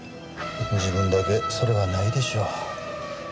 自分だけそれはないでしょう。